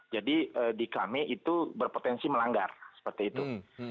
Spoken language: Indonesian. jadi di kami itu berpotensi melanggar seperti itu